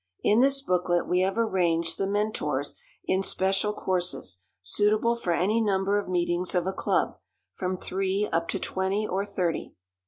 In this booklet we have arranged The Mentors in special courses, suitable for any number of meetings of a club, from three up to twenty or thirty.